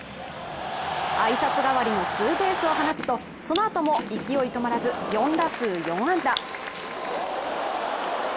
挨拶代わりのツーベースを放つとそのあとも勢い止まらず４打数４安打。